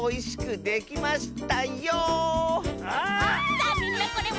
さあみんなこれは？